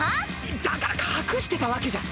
⁉だから隠してたわけじゃ。